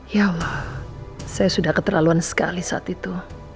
ya saya sudah keterlaluan sekali saat itu